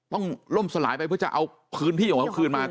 ต้องล่มสลายไปเพื่อจะเอาพื้นที่ของเขาคืนมา